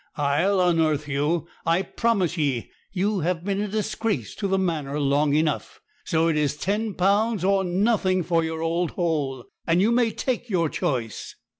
I'll unearth you, I promise ye; you have been a disgrace to the manor long enough. So it is ten pounds or nothing for your old hole; and you may take your choice.'